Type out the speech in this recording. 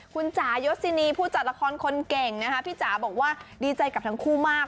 คุณจ่ายศินีผู้จัดละครคนเก่งนะคะพี่จ๋าบอกว่าดีใจกับทั้งคู่มาก